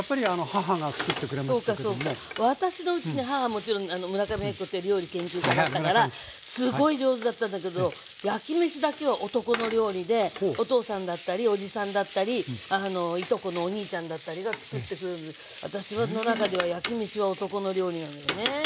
もちろん村上昭子って料理研究家だったからすごい上手だったんだけど焼きめしだけは男の料理でお父さんだったりおじさんだったりいとこのお兄ちゃんだったりがつくってくれるので私の中では焼きめしは男の料理なのよね。